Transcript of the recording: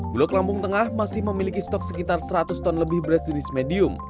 bulog lampung tengah masih memiliki stok sekitar seratus ton lebih beras jenis medium